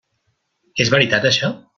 És veritat això?